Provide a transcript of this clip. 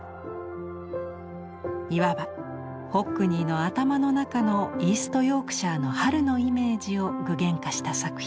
いわばホックニーの頭の中のイースト・ヨークシャーの春のイメージを具現化した作品。